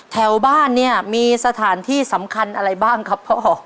แถวบ้านเนี่ยมีสถานที่สำคัญอะไรบ้างครับพ่อ